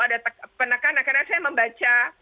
ada penekanan karena saya membaca